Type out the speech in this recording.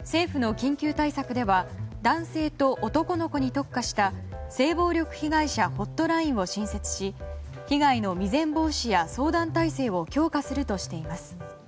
政府の緊急対策では男性と男の子に特化した性暴力被害者ホットラインを新設し被害の未然防止や相談体制を強化するとしています。